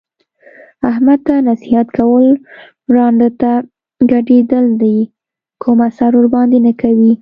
احمد ته نصیحت کول ړانده ته ګډېدل دي کوم اثر ورباندې نه کوي.